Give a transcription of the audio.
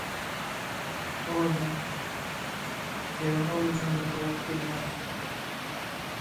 o welin, Ýeriň ol ujundan dogup gelýändir.